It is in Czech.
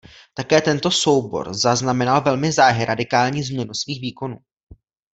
Také tento soubor zaznamenal velmi záhy radikální změnu svých výkonů.